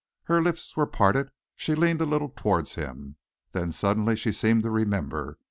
Her lips were parted, she leaned a little towards him. Then suddenly she seemed to remember.